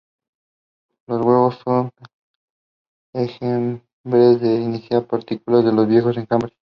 Los nuevos sub-enjambres se inician con partículas de los viejos enjambres.